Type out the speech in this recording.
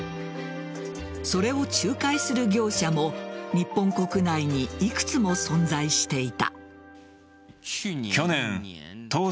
それを仲介する業者も日本国内に幾つも存在していた。